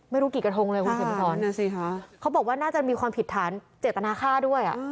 ไม่รู้กิตกระทงเลยคุณเข่าบอกว่าน่าจะมีความผิดฐานเจตนาคาด้วย